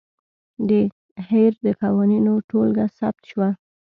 د هیر د قوانینو ټولګه ثبت شوه.